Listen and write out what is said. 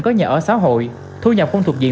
có nhà ở xã hội thu nhập không thuộc diện